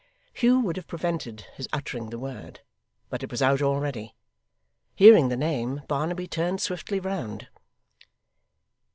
Hugh would have prevented his uttering the word, but it was out already. Hearing the name, Barnaby turned swiftly round.